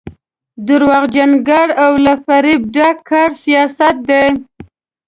درواغجن ګړ او له فرېبه ډک کړ سیاست دی.